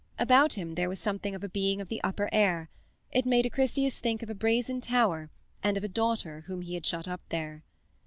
About him there was something of a being of the upper air; it made Acrisius think of a brazen tower and of a daughter whom he had shut up there.